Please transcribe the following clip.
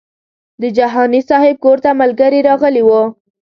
د جهاني صاحب کور ته ملګري راغلي وو.